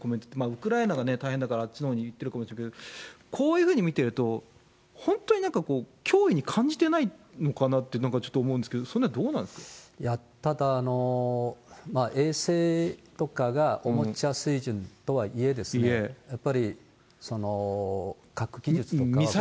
ウクライナが大変だから、あっちのほうにいってるかもしれないけど、こういうふうに見てると、本当になんかこう、脅威に感じてないのかなって、なんかちょっと思うんですけど、そただ、衛星とかがおもちゃ水準とはいえ、やっぱり核技術とかは向上してますね。